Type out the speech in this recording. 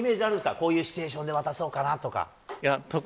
こういうシチュエーションで渡そうとか。